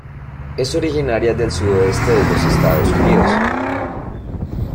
Es originaria del sudoeste de los Estados Unidos.